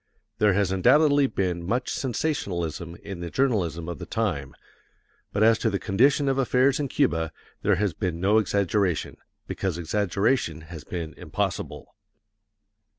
There has undoubtedly been much sensationalism in the journalism of the time, but as to the condition of affairs in Cuba, there has been no exaggeration, because exaggeration has been impossible.